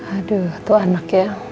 aduh tuh anak ya